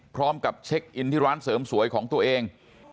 พร้อมกับเช็คอินที่ร้านเสริมสวยของตัวเอง